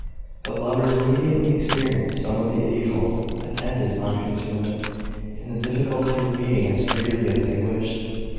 The lovers immediately experienced some of the evils attendant on concealment, in the difficulty of meeting as freely as they wished.